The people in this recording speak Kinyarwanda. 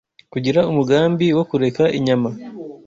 kugira umugambi wo kureka inyama